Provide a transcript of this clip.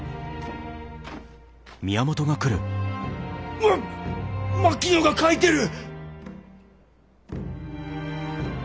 うわっ槙野が描いてる！